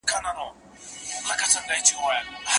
د نکاح مهم حکم د جماع حلالوالی دی.